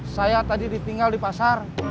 saya tadi ditinggal di pasar